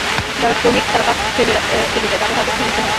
যারা শ্রমিক তারা কাজ ফেলে যায়, তাদের হাতে কিছু দিতে হয়।